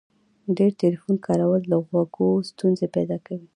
ډیر ټلیفون کارول د غوږو ستونزي پیدا کوي.